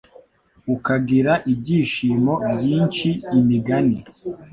ukagira ibyishimo byinshi Imigani